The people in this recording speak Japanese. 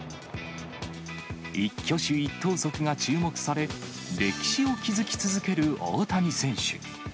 一挙手一投足が注目され、歴史を築き続ける大谷選手。